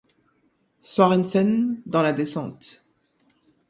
Sørensen dans la descente.